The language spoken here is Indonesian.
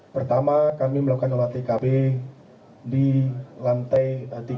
pertama kami melakukan olah tkb di lantai tiga